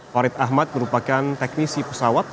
farid ahmad merupakan teknisi pesawat